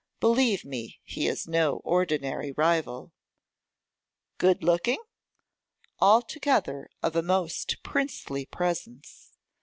Believe me, he is no ordinary rival.' 'Good looking?' 'Altogether of a most princely presence.